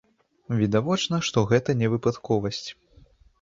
Відавочна, што гэта не выпадковасць.